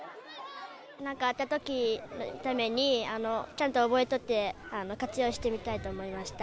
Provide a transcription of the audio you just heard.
なんかあったときのために、ちゃんと覚えとって、活用してみたいと思いました。